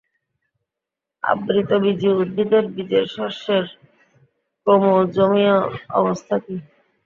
আবৃতবীজী উদ্ভিদের বীজের সস্যের ক্রোমোজোমীয় অবস্থা কী?